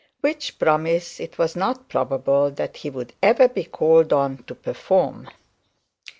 Which promise it was not probable that he would ever be called upon to perform.